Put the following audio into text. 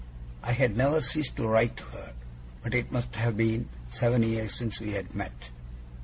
I had never ceased to write to her, but it must have been seven years since we had met.